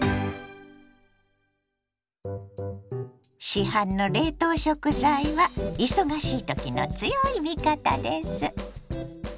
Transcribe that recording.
市販の冷凍食材は忙しいときの強い味方です。